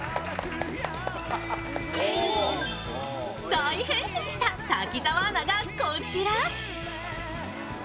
大変身した滝澤アナがこちら。